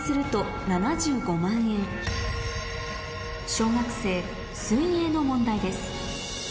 小学生の問題です